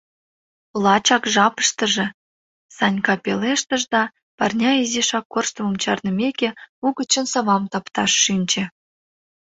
— Лачак жапыштыже, — Санька пелештыш да, парня изишак корштымым чарнымеке, угычын савам тапташ шинче.